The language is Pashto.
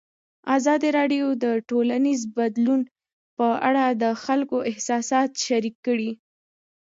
ازادي راډیو د ټولنیز بدلون په اړه د خلکو احساسات شریک کړي.